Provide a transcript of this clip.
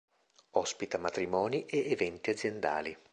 Ospita matrimoni e eventi aziendali.